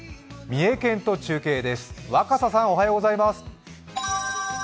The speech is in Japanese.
三重県と中継です、若狭さんおはようございます。